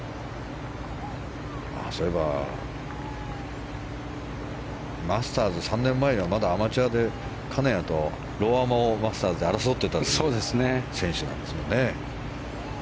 そういえば３年前にはまだアマチュアで金谷とローアマをマスターズで争ってた選手なんですよね。